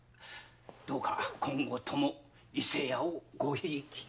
どうか今後とも伊勢屋をごひいきに。